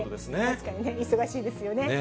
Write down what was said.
確かにね、忙しいですよね。